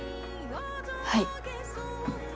はい。